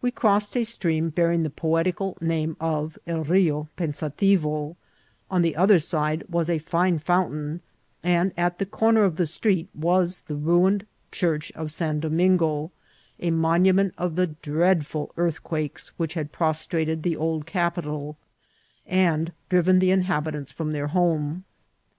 We crossed a stream bearing the poetical name of El Rio Pensativo; on the other side was a fine fountain, and at the comer of the street was the ruined church of San Domingo, a monument of the dreadful earthquakes which had pros trated the old capital, and driven the inhabitants from their home.